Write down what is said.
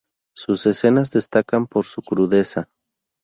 Sus escenas destacan por su crudeza.